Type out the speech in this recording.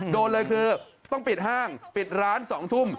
โดนเลยคือต้องปิดห้างปิดร้าน๒ทุ่ม